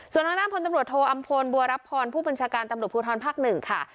ส่วนทางด้านพลตำรวจโทอำพลบัวรับพรผู้บัญชาการตำรวจภูทรภาค๑ค่ะ